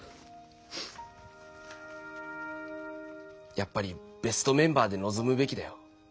やっぱりベストメンバーでのぞむべきだよ。